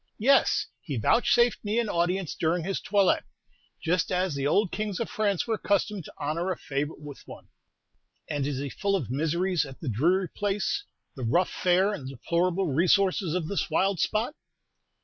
"Yes; he vouchsafed me an audience during his toilet, just as the old kings of France were accustomed to honor a favorite with one." "And is he full of miseries at the dreary place, the rough fare and deplorable resources of this wild spot?"